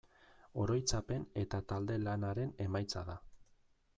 Oroitzapen eta talde-lanaren emaitza da.